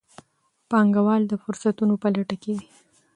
پانګوال د فرصتونو په لټه کې دي.